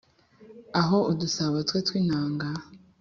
aho udusabo twe tw’intanga